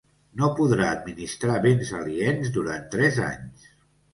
No podrà administrar béns aliens durant tres anys.